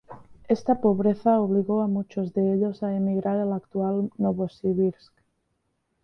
Esta pobreza obligó a muchos de ellos a emigrar a la actual Novosibirsk.